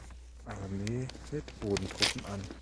Armee mit Bodentruppen an.